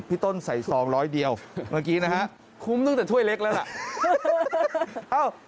พี่ต้นใส่ซองร้อยเดียวเมื่อกี้นะฮะคุ้มตั้งแต่ถ้วยเล็กแล้วล่ะ